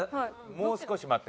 もう少し待ってもね。